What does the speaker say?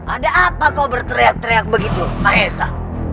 ada apa kau berteriak teriak begitu mahesa